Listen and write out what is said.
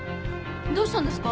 どうしたんですか？